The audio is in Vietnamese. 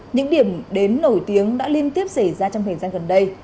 những điểm đến nổi tiếng đã liên tiếp xảy ra trong thời gian gần đây